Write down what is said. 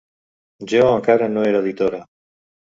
Jo encara no era editora.